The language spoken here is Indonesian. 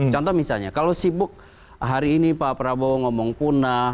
contoh misalnya kalau sibuk hari ini pak prabowo ngomong punah